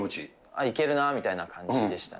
いけるなみたいな感じでしたね。